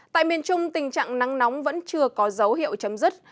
tại miền trung tình trạng nắng nóng vẫn chưa có dấu hiệu chấm dứt